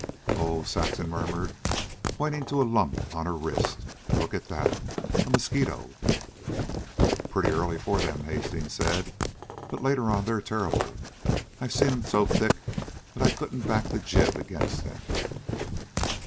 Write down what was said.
"Ooh!" Saxon murmured, pointing to a lump on her wrist. "Look at that. A mosquito." "Pretty early for them," Hastings said. "But later on they're terrible. I've seen them so thick I couldn't back the jib against them."